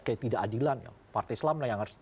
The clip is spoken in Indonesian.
ketidakadilan partai islam lah yang harus